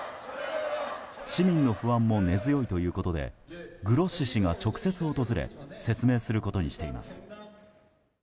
市民の不安も根強いということでグロッシ氏が直接訪れ説明することにしています。